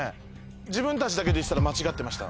自分たちだけで行ってたら間違ってました。